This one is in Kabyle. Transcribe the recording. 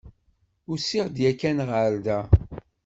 Usiɣ-d yakan ɣer da.